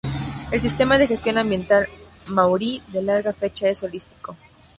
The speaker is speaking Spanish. El sistema de gestión ambiental maorí de larga fecha es holístico.